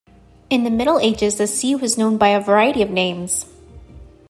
In the Middle Ages the sea was known by variety of names.